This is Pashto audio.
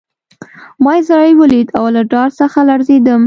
ما عزرائیل ولید او له ډار څخه لړزېدم